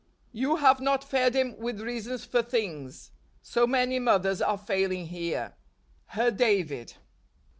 " You have not fed him with reasons for things. So many mothers are failing here." Her David.